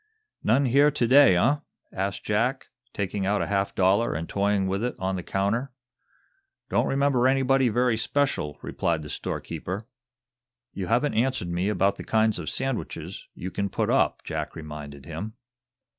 "None here to day, eh?" asked Jack, taking out a half dollar and toying with it on the counter. "Don't remember anybody very special," replied the storekeeper. "You haven't answered me about the kinds of sandwiches you can put up," Jack reminded him.